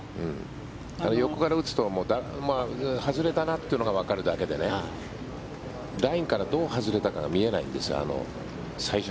あれ、横から打つと外れたなというのがわかるだけでねラインからどう外れたかが見えないんですよ。